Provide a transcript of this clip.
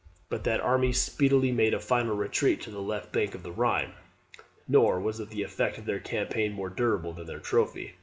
But that army speedily made a final retreat to the left bank of the Rhine; nor was the effect of their campaign more durable than their trophy.